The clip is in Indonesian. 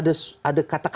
lalu ada materi